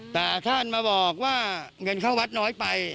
แต่ท่านมาบอกว่าเงินเข้าวัดน้อยไป